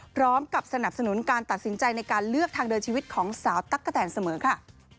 สนับสนุนการตัดสินใจในการเลือกทางเดินชีวิตของสาวตั๊กกะแตนเสมอค่ะ